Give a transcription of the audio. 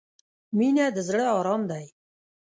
• مینه د زړۀ ارام دی.